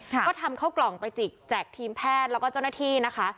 ก็ทำเข้ากล่องไปจิกแจกทีมแพทย์แล้วก็เจ้าหน้าที่นะคะ